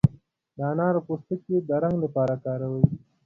د انارو پوستکي د رنګ لپاره کاروي.